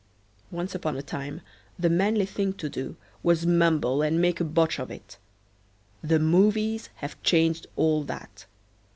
Once upon a time the manly thing to do was mumble and make a botch of it. The movies have changed all that.